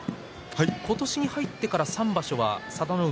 今年に入ってから３場所は佐田の海